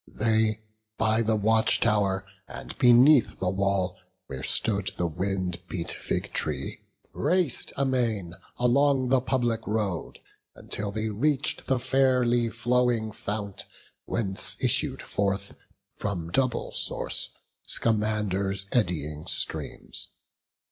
They by the watch tow'r, and beneath the wall Where stood the wind beat fig tree, rac'd amain Along the public road, until they reach'd The fairly flowing fount whence issu'd forth, From double source, Scamander's eddying streams.